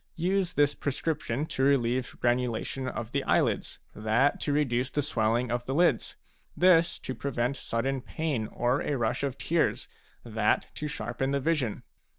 Use this prescription to relieve granu lation of the eyelids, that to reduce the swelling of the lids, this to prevent sudden pain or a rush of tears, that to sharpen the vision.